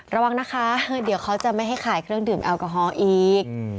ระวังนะคะเดี๋ยวเขาจะไม่ให้ขายเครื่องดื่มแอลกอฮอล์อีก